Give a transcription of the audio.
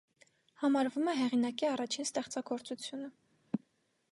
Համարվում է հեղինակի առաջին ստեղծագործությունը։